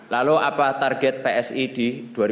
lalu apa target psi di dua ribu dua puluh